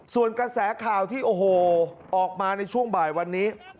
ส่วนกระแสข่าวที่โอ้โหออกมาในช่วงบ่ายวันนี้